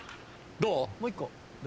どう？